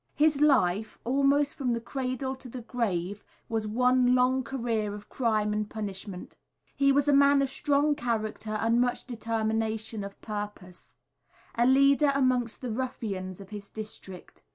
His life, almost from the cradle to the grave, was one long career of crime and punishment. He was a man of strong character and much determination of purpose, a leader amongst the ruffians of his district.